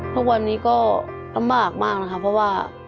ทุกวันนี้ก็ลำบากมากนะครับเพราะว่า